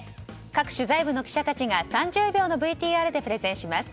各取材部の記者たちが３０秒のＶＴＲでプレゼンします。